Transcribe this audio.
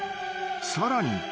［さらに］